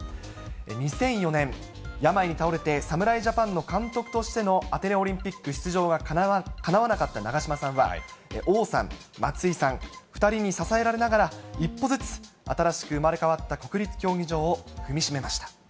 ２００４年、病に倒れて侍ジャパンの監督としてのアテネオリンピック出場がかなわなかった長嶋さんは、王さん、松井さん、２人に支えられながら、一歩ずつ、新しく生まれ変わった国立競技場を踏み締めました。